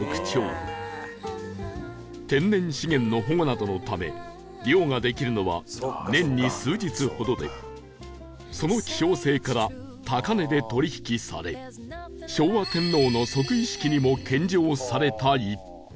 天然資源の保護などのため漁ができるのは年に数日ほどでその希少性から高値で取引され昭和天皇の即位式にも献上された逸品